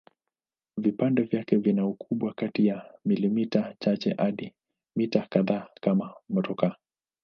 Vipande vyake vina ukubwa kati ya milimita chache hadi mita kadhaa kama motokaa.